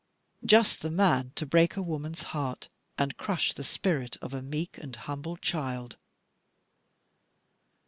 Just the man to break a woman's heart, and crush the spirit of a meek and humble child.